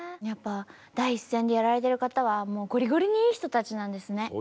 やっぱ第一線でやられてる方はもうごりごりにいい人たちなんですね。